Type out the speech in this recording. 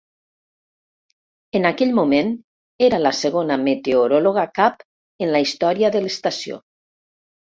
En aquell moment, era la segona meteoròloga cap en la història de l'estació.